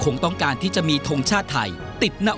นอกจากนักเตะรุ่นใหม่จะเข้ามาเป็นตัวขับเคลื่อนทีมชาติไทยชุดนี้แล้ว